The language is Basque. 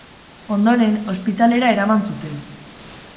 Ondoren, ospitalera eraman zuten.